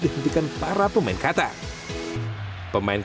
dan tetap tertata dengan baik